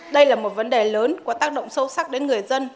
đây là một vấn đề lớn có tác động sâu sắc đến người dân